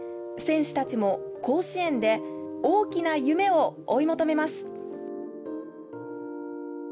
選手たちも甲子園で大きな夢を追い求めます。